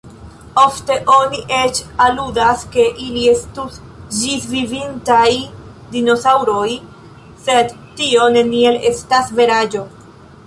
Ofte oni eĉ aludas ke ili estus ĝisvivintaj dinosaŭroj, sed tio neniel estas veraĵo.